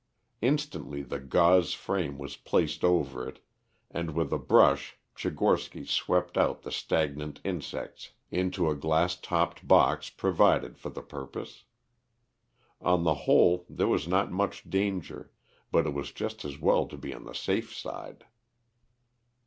Instantly the gauze frame was placed over it, and with a brush Tchigorsky swept out the stagnant insects into a glass topped box provided for the purpose. On the whole, there was not much danger, but it was just as well to be on the safe side.